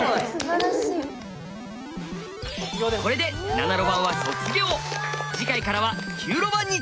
これで７路盤は卒業！